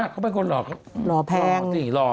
เขาเป็นคนหล่อหล่อแพง